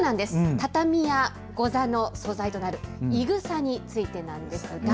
畳やござの素材となる、いぐさについてなんですが。